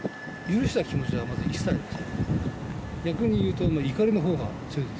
許した気持ちはまず一切ありません。